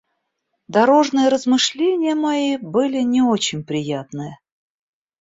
Дорожные размышления мои были не очень приятны.